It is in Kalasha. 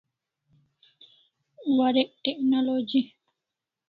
Warek technology